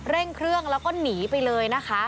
เร่งเครื่องแล้วก็หนีไปเลยนะคะ